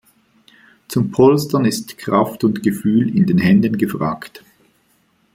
Zum Polstern ist Kraft und Gefühl in den Händen gefragt.